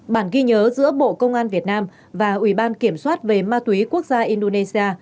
bản ghi nhớ giữa bộ công an việt nam và ủy ban kiểm soát về ma túy quốc gia indonesia